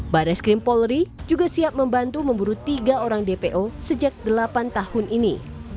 baris krim polri juga siap membantu memburu tiga orang dpo sejak delapan tahun ini